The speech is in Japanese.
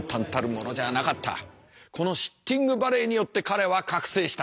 このシッティングバレーによって彼は覚醒した。